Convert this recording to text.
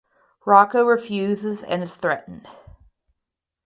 Rocco refuses and is threatened.